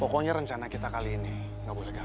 pokoknya rencana kita kali ini nggak boleh gagal